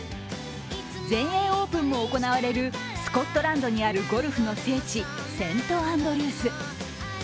全英オープンも行われるスコットランドにあるゴルフの聖地・セントアンドリュース。